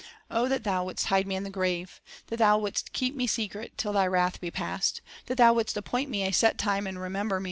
"O that Thou wouldst hide me in the grave, That Thou wouldst keep me secret, until Thy wrath be past, That Thou wouldst appoint me a set time, and remember me